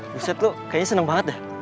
buset lo kayaknya seneng banget ya